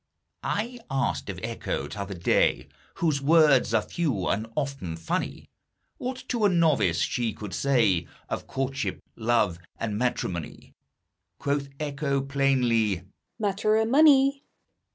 I asked of Echo, t' other day, (Whose words are few and often funny,) What to a novice she could say Of courtship, love, and matrimony. Quoth Echo, plainly, "Matter o' money!"